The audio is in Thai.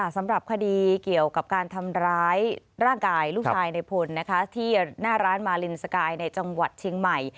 สำหรับคดีเกี่ยวกับการทำร้ายร่างกายลูกชายในพลที่หน้าร้านมาลินสกายในจังหวัดเชียงใหม่